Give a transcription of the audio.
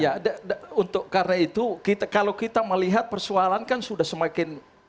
ya karena itu kalau kita melihat persoalan kan sudah semakin